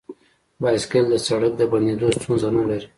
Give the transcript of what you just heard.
بایسکل د سړک د بندیدو ستونزه نه لري.